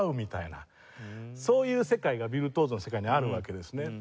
そういう世界がビルトゥオーソの世界にあるわけですね。